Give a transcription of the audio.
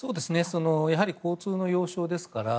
やはり交通の要衝ですから。